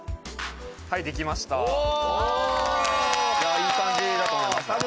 いい感じだと思いますね。